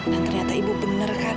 dan ternyata ibu bener kan